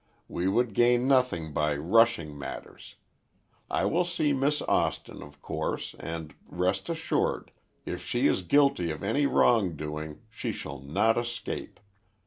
We would gain nothing by rushing matters. I will see Miss Austin, of course, and rest assured, if she is guilty of any wrong doing, she shall not escape.